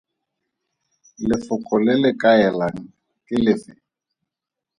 Lefoko le le kaelang ke lefe?